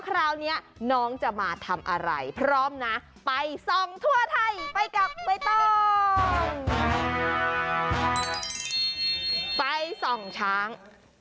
มันมีอะไรลุกทะลังไปทะลังกระดุกทะลัง